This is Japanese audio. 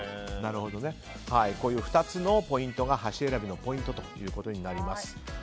この２つのポイントが箸選びのポイントということになります。